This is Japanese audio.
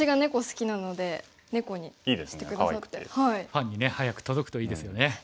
ファンにね早く届くといいですよね。